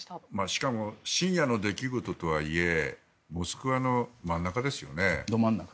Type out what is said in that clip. しかも深夜の出来事とはいえモスクワの真ん中ですよね。